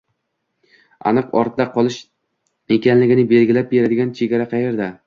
aniq ortda qolish ekanligini belgilab beradigan chegara qayerda?